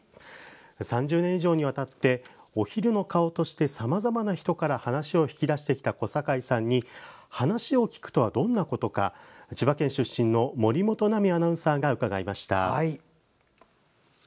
３０年以上にわたってお昼の顔としてさまざまな人から話を引き出してきた小堺さんに「話を聞く」とはどんなことか千葉県出身の守本奈実アナウンサーが伺いました。